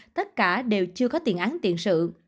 tất cả đều chưa có tiền án tiện sự